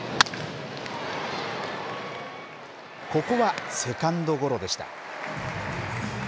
ここは、セカンドゴロでした。